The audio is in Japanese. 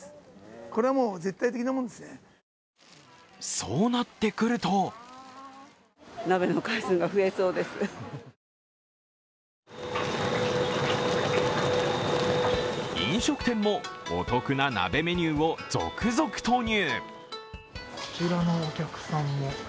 そうなってくると飲食店もお得な鍋メニューを続々投入。